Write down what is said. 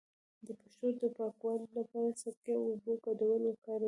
د پښو د پاکوالي لپاره د سرکې او اوبو ګډول وکاروئ